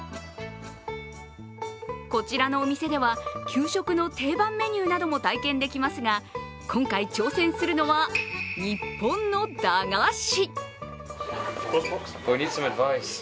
こちらのお店では給食の定番メニューなども体験できますが今回、挑戦するのは日本の駄菓子。